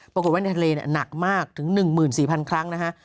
ปรากฏว่าในทะเลหนักมากถึง๑๔๐๐ครั้งนะฮะ